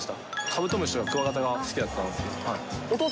カブトムシやクワガタが好きだったんですよ。